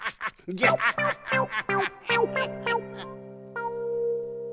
ギャハハハハ！